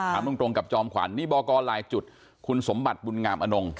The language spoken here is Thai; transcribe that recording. ถามตรงกับจอมขวัญนี่บอกกรหลายจุดคุณสมบัติบุญงามอนง